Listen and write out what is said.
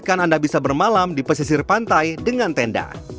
bahkan anda bisa bermalam di pesisir pantai dengan tenda